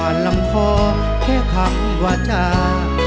มันลำคอแค่คำว่าจ้า